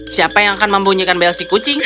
siapa yang akan membunyikan bel sikucing